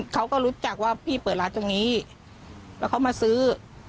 เขาก็รู้จักว่าพี่เปิดร้านตรงนี้แล้วเขามาซื้อ